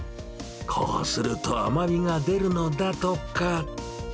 こうすると甘みが出るのだとか。